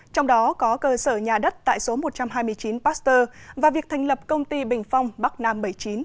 trong đó có cơ sở nhà đất tại số một trăm hai mươi chín pasteur và việc thành lập công ty bình phong bắc nam bảy mươi chín